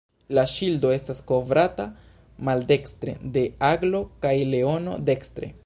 La ŝildo estas kovrata maldekstre de aglo kaj leono dekstre.